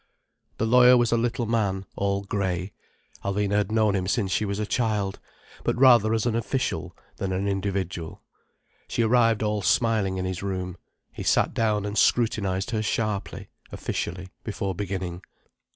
The lawyer was a little man, all grey. Alvina had known him since she was a child: but rather as an official than an individual. She arrived all smiling in his room. He sat down and scrutinized her sharply, officially, before beginning.